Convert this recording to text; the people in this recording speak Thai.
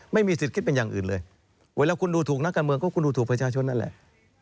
ไม่มีสิทธิ์คิดเป็นอย่างอื่นเลยเวลาคุณดูถูกนักการเมืองก็คุณดูถูกประชาชนนั่นแหละ